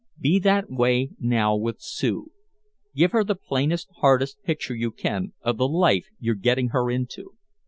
Be that way now with Sue. Give her the plainest, hardest picture you can of the life you're getting her into."